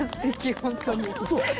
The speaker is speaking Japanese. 本当に。